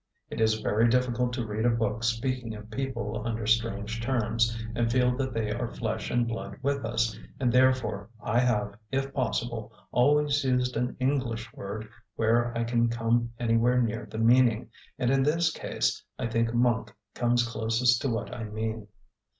It is very difficult to read a book speaking of people under strange terms, and feel that they are flesh and blood with us, and therefore I have, if possible, always used an English word where I can come anywhere near the meaning, and in this case I think monk comes closest to what I mean.